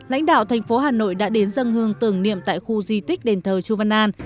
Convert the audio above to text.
lãnh đạo thành phố hà nội đã đến dân hương tưởng niệm tại khu di tích đền thờ chu văn an